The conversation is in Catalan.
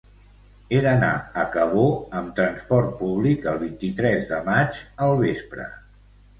He d'anar a Cabó amb trasport públic el vint-i-tres de maig al vespre.